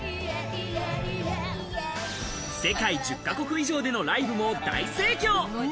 世界１０カ国以上でのライブも大盛況。